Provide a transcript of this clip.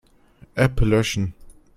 App löschen.